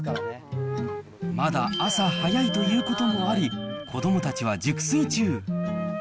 まだ朝早いということもあり、子どもたちは熟睡中。